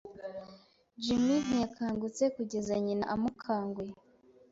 Jim ntiyakangutse kugeza nyina amukanguye.